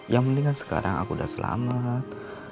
yang mendingan sekarang aku udah selamat